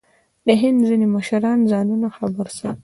د هند ځینې مشران ځانونه خبر ساتل.